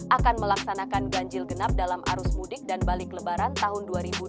akan melaksanakan ganjil genap dalam arus mudik dan balik lebaran tahun dua ribu dua puluh